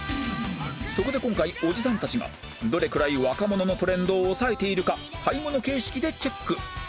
そこで今回おじさんたちがどれくらい若者のトレンドを押さえているか買い物形式でチェック